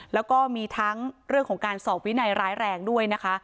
แล้วก็มีทั้งเรื่องของการสอบวินัยร้ายแรงด้วยนะคะ